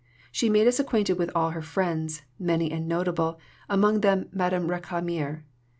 She made us acquainted with all her friends, many and notable, among them Madame Récamier.